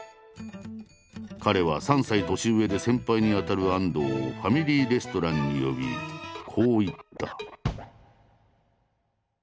彼は３歳年上で先輩にあたる安藤をファミリーレストランに呼びこう言った。